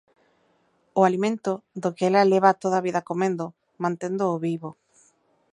O alimento do que ela leva toda a vida comendo, manténdoo vivo.